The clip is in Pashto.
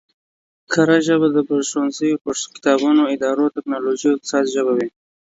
کره ژبه د ښوونځیو، کتابونو، ادارو، ټکنولوژۍ او اقتصاد ژبه وي